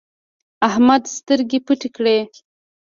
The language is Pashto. احمده سترګې پټې کړې.